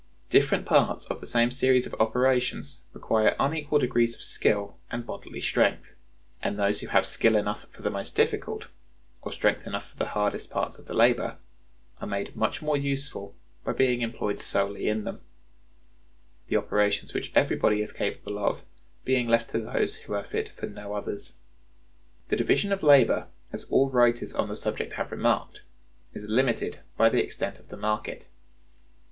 Different parts of the same series of operations require unequal degrees of skill and bodily strength; and those who have skill enough for the most difficult, or strength enough for the hardest parts of the labor, are made much more useful by being employed solely in them; the operations which everybody is capable of being left to those who are fit for no others. The division of labor, as all writers on the subject have remarked, is limited by the extent of the market.